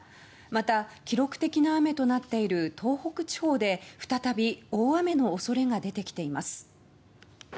また、記録的な雨となっている東北地方で再び大雨の恐れが出てきています。